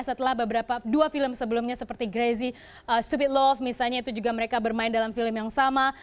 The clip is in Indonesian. setelah beberapa dua film sebelumnya seperti grazy stupit love misalnya itu juga mereka bermain dalam film yang sama